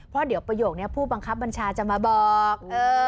เพราะเดี๋ยวประโยคนี้ผู้บังคับบัญชาจะมาบอก